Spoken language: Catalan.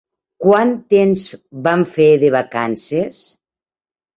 Quant temps van fer de vacances?